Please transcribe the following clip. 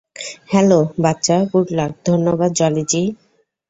Hello, বাচ্চা, good luck, - ধন্যবাদ, জলি জি।